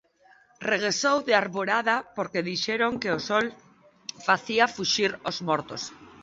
Regresou de alborada porque dixeron que o sol facía fuxir os mortos.